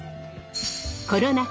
コロナ禍